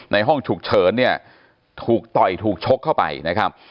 ห้องฉุกเฉินเนี่ยถูกต่อยถูกชกเข้าไปนะครับ